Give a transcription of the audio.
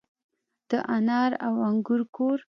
د انار او انګور کور.